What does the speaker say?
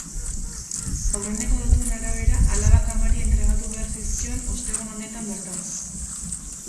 Aurreneko datuen arabera, alabak amari entregatu behar zizkion ostegun honetan bertan.